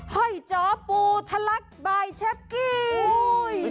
ไห้จอปูทะลักบายเช็บกี้